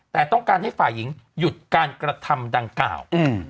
แต่ต้องการให้ฝ่ายหญิงหยุดการกระทำดังกล่าว